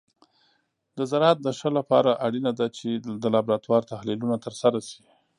د زراعت د ښه لپاره اړینه ده چې د لابراتور تحلیلونه ترسره شي.